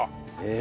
え！